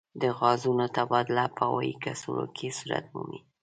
د غازونو تبادله په هوايي کڅوړو کې صورت مومي.